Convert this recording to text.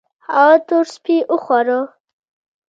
هغه تور سپي وخواړه